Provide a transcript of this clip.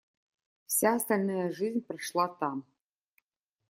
Вся остальная жизнь прошла там.